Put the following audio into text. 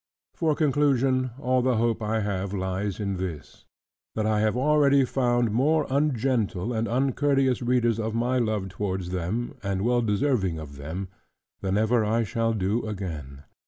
For conclusion, all the hope I have lies in this, that I have already found more ungentle and uncourteous readers of my love towards them, and well deserving of them, than ever I shall do again.